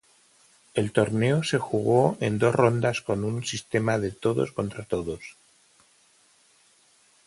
El torneo se jugó en dos rondas con un sistema de todos contra todos.